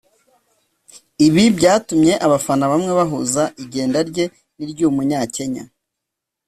Ibi byatumye abafana bamwe bahuza igenda rye n’iry’uyu munyakenya